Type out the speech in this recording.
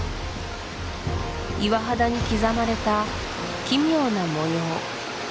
岩肌に刻まれた奇妙な模様